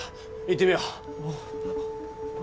行ってみよう。